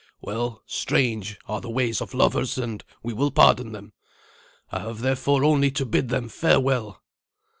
Well, strange are the ways of lovers, and we will pardon them. I have therefore only to bid them farewell."